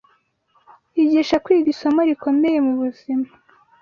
yigisha kwiga isomo rikomeye mu buzima